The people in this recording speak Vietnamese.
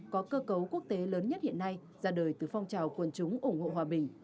có cơ cấu quốc tế lớn nhất hiện nay ra đời từ phong trào quân chúng ủng hộ hòa bình